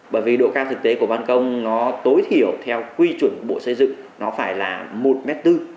bởi vì độ cao thực tế của văn công nó tối thiểu theo quy chuẩn của bộ xây dựng nó phải là một m bốn